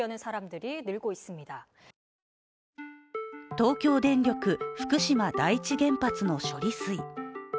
東京電力福島第一原発の処理水。